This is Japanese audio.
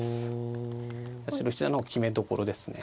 八代七段の決めどころですね。